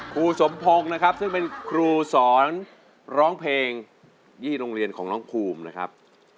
ครูสมพงศ์นะครับซึ่งเป็นครูสอนร้องเพลงที่โรงเรียนของน้องภูมินะครับ